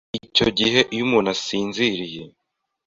icyo gihe iyo umuntu asinziriye,